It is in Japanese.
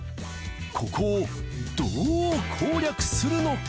ここをどう攻略するのか？